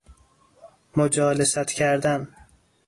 مجالست کردن